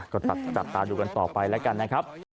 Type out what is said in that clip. ก็จับตาดูกันต่อไปแล้วกันนะครับ